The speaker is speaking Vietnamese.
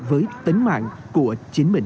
với tính mạng của chính mình